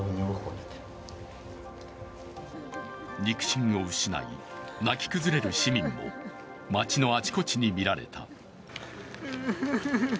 肉親を失い、泣き崩れる市民も、街のあちこちに見られた。